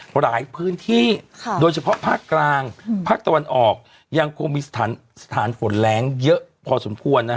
หลายพื้นที่โดยเฉพาะภาคกลางภาคตะวันออกยังคงมีสถานฝนแรงเยอะพอสมควร